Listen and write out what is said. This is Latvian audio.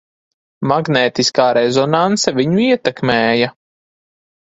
Magnētiskā rezonanse viņu ietekmēja.